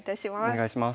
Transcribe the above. お願いします。